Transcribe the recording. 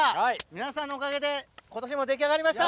皆さんのおかげで今年も出来上がりました！